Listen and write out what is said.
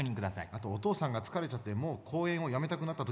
あとお父さんが疲れちゃってもう公演をやめたくなった時にも点灯しますので。